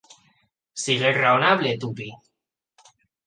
Sigues raonable, Tuppy.